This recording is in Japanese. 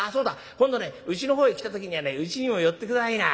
今度ねうちの方へ来た時にはねうちにも寄って下さいな。